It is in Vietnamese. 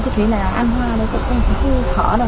thế là ăn hoa nó cũng không khó đâu